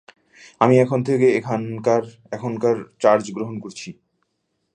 আমি এখন থেকে এখনকার চার্জ গ্রহন করছি।